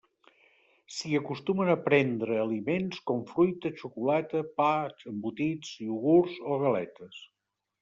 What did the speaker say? S'hi acostumen a prendre aliments com fruita, xocolata, pa, embotits, iogurts o galetes.